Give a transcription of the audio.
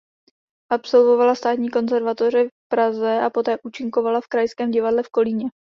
Absolvovala Státní konzervatoře v Praze a poté účinkovala v Krajském divadle v Kolíně.